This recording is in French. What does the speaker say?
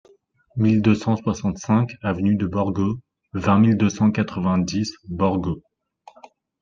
mille deux cent soixante-cinq avenue de Borgo, vingt mille deux cent quatre-vingt-dix Borgo